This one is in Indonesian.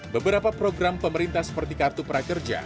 beberapa program pemerintah seperti kartu prakerja